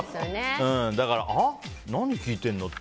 だから、何聞いてんの？って。